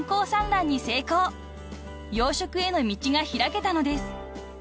［養殖への道が開けたのです］